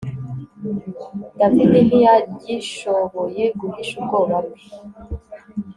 David ntiyagishoboye guhisha ubwoba bwe